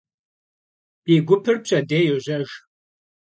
Di gupır pşedêy yojejj.